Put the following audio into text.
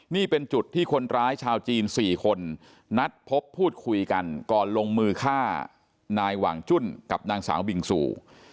นี่เป็นจุดที่คนร้ายชาวจีน๔คนนัดพบพูดคุยกันก่อนลงมือฆ่านายหว่างจุ้นกับนางสาวบิงซู